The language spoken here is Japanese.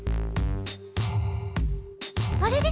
あれれ？